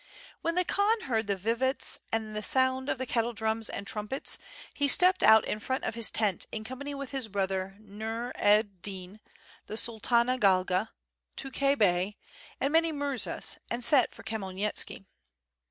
When the Khan heard the vivats and the sound of the kettledrums and trumpets, he stepped out in front of his tent in company with his brother Nur ed Din, the sultana Galga, Tukhay Bey, and many murzas, and sent for Khmyel nitski.